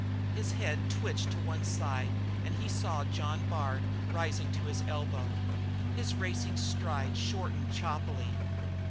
His head twitched to one side and he saw John Bard rising to his elbow. His racing stride shortened choppily.